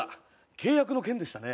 契約の件でしたね。